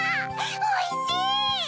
おいしい！